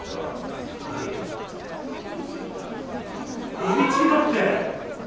エビチリだって。